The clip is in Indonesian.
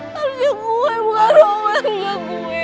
harusnya gue bukan romlan bukan gue